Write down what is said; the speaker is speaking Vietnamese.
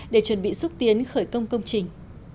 để chuẩn bị xúc tiến khởi công công trình